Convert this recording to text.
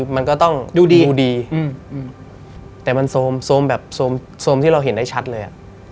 มันก็ต้องดูดีดูดีแต่มันโซมแบบโซมที่เราเห็นได้ชัดเลย